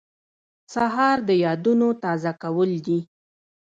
سهار د یادونو تازه کول دي.